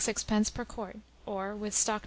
per quart; or, with stock No.